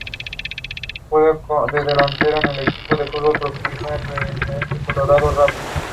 Juega de delantero en el equipo de fútbol profesional estadounidense Colorado Rapids.